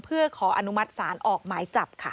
เพื่อขออนุมัติศาลออกหมายจับค่ะ